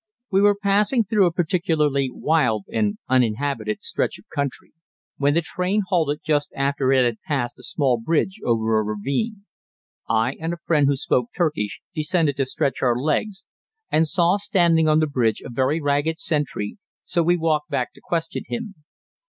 We were passing through a particularly wild and uninhabited stretch of country, when the train halted just after it had passed a small bridge over a ravine. I and a friend who spoke Turkish descended to stretch our legs, and saw standing on the bridge a very ragged sentry, so we walked back to question him.